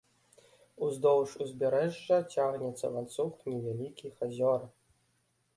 Уздоўж узбярэжжа цягнецца ланцуг невялікіх азёр.